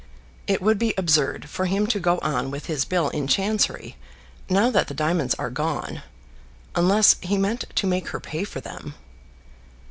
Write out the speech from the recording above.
"It would be absurd for him to go on with his bill in Chancery now that the diamonds are gone, unless he meant to make her pay for them."